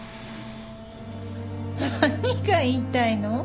何が言いたいの？